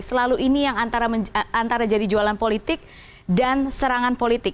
selalu ini yang antara jadi jualan politik dan serangan politik